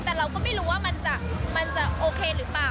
แต่เราก็ไม่รู้ว่ามันจะโอเคหรือเปล่า